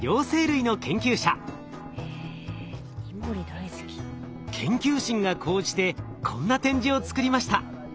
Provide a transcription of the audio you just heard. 研究心が高じてこんな展示を作りました。